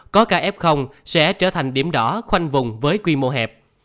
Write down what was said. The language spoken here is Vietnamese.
có cả f sẽ trở thành điểm đỏ khoanh vùng với quy mô hẹp